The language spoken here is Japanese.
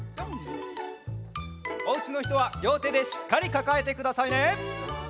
おうちのひとはりょうてでしっかりかかえてくださいね。